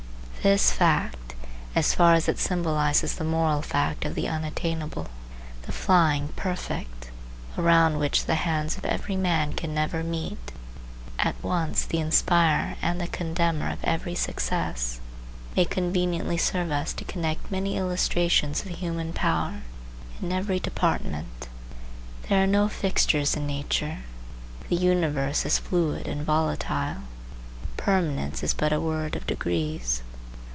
This fact, as far as it symbolizes the moral fact of the Unattainable, the flying Perfect, around which the hands of man can never meet, at once the inspirer and the condemner of every success, may conveniently serve us to connect many illustrations of human power in every department. There are no fixtures in nature. The universe is fluid and volatile. Permanence is but a word of degrees.